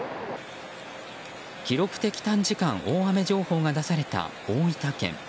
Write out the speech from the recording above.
記録的短時間大雨情報が出された大分県。